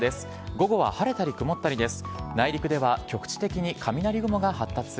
午後は晴れたり曇ったりです。